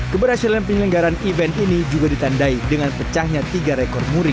keberhasilan penyelenggaran event ini juga ditandai dengan pecahnya tiga rekor muri